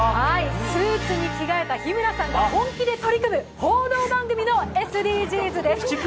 スーツに着替えた日村さんが本気で取り組む報道番組のＳＤＧｓです。